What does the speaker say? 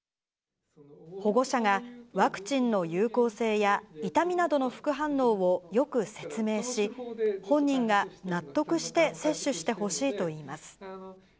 保護者がワクチンの有効性や、痛みなどの副反応をよく説明し、本人が納得して接種してほしいといいます。